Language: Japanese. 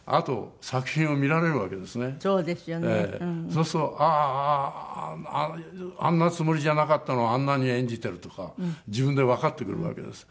そうするとあああああああんなつもりじゃなかったのをあんなに演じてるとか自分でわかってくるわけです。